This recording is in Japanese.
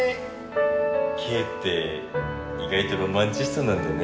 ケイって意外とロマンチストなんだね。